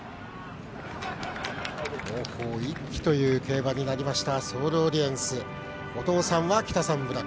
後方一気という競馬になりました